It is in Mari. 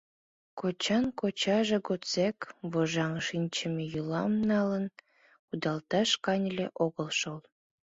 Кочан кочаже годсек вожаҥ шинчыме йӱлам налын кудалташ каньыле огыл шол.